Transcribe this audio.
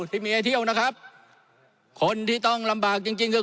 ที่มีให้เที่ยวนะครับคนที่ต้องลำบากจริงจริงคือ